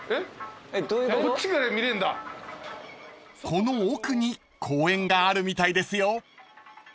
［この奥に公園があるみたいですよ］